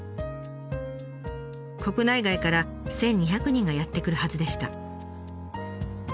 国内外から１，２００人がやって来るはずでした。